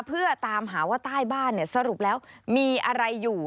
เพื่อตามหาว่าใต้บ้านสรุปแล้วมีอะไรอยู่